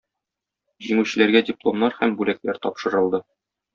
Җиңүчеләргә дипломнар һәм бүләкләр тапшырылды.